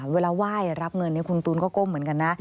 เวลาไหว้รับเงินคุณตูนก็ก้มเหมือนกันนะ